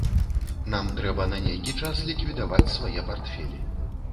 Нам трэба на нейкі час ліквідаваць свае партфелі.